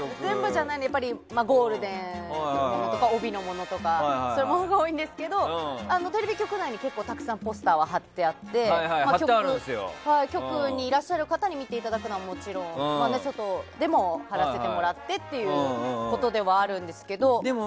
ゴールデンとか帯のものとかそういうものが多いんですけどテレビ局内に結構ポスターは貼ってあって局にいらっしゃる方に見ていただくのはもちろん外でも貼らせてもらってということではあるんですけども。